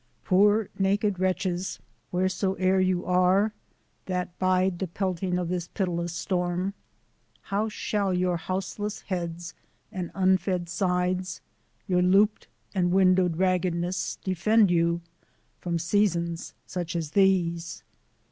POOR naked wretches, whereso'er you are, That bide the pelting of this pitiless storm, How shall your houseless heads and unfed sides, Your looped and window' d raggedness, defend you From seasons such as these?